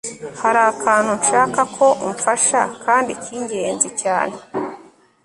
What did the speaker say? hari akantu nshaka ko umfasha kandi kingenzi cyane